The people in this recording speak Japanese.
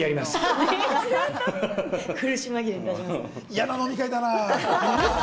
嫌な飲み会だな。